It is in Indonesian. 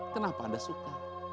kenapa anda suka